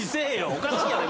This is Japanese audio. おかしいやろ！